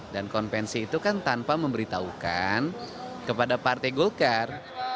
dan konvensi itu kan tanpa memberitahukan kepada partai golkar